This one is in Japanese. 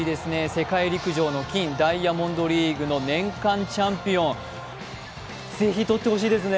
世界陸上の金、ダイヤモンドリーグの年間チャンピオンぜひ取ってほしいですね。